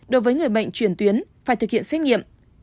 đối với người bệnh truyền tuyến phải thực hiện xét nghiệm